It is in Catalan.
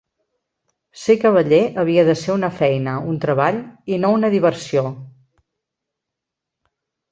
Ser cavaller havia de ser una feina, un treball i no una diversió.